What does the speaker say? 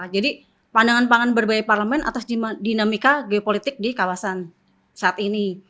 jadi pandangan pangan berbagai parlamen atas dinamika geopolitik di kawasan saat ini